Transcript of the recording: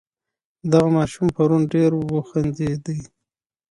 دغه ماشوم پرون ډېر وخندېدی.